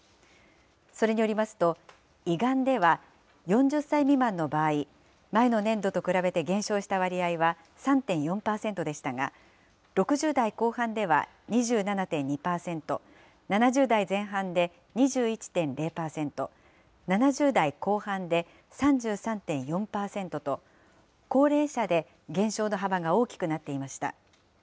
それによりますと、胃がんでは４０歳未満の場合、前の年度と比べて減少した割合は３．４％でしたが、６０代後半では２７．２％、７０代前半で２１．０％、７０代後半で３３．４％と、高齢者で減少の幅が大きくなっていました。